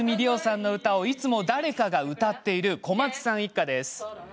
おさんの歌をいつも誰かが歌っている小松さん一家です。